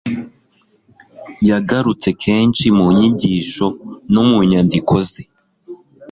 yagarutse kenshi mu nyigisho no mu nyandiko ze